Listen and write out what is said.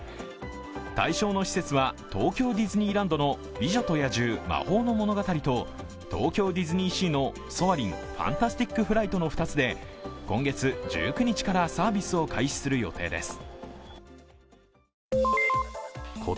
対象の施設は、東京ディズニーランドの美女と野獣“魔法ものがたり”と東京ディズニーシーのソアリン：ファンタスティック・フライトの２つで今月１９日からサービスを開始する予定です。